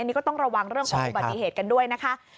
อันนี้ก็ต้องระวังเรื่องของปฏิเหตุกันด้วยนะคะ